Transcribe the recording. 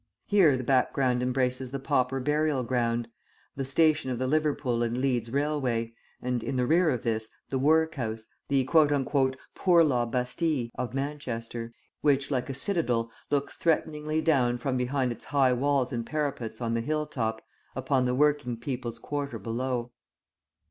Here the background embraces the pauper burial ground, the station of the Liverpool and Leeds railway, and, in the rear of this, the Workhouse, the "Poor Law Bastille" of Manchester, which, like a citadel, looks threateningly down from behind its high walls and parapets on the hilltop, upon the working people's quarter below.